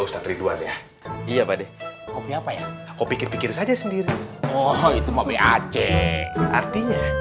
ustadz ridwan ya iya pakde kopi apa ya oh pikir pikir saja sendiri oh itu mau beace artinya